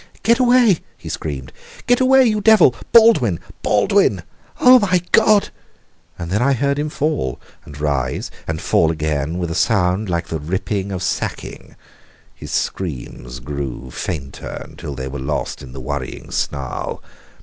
"Get away!" he screamed. "Get away, you devil! Baldwin! Baldwin! Oh, my God!" And then I heard him fall, and rise, and fall again, with a sound like the ripping of sacking. His screams grew fainter until they were lost in the worrying snarl.